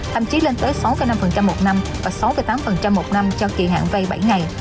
thậm chí lên tới sáu năm một năm và sáu tám một năm cho kỳ hạn vay bảy ngày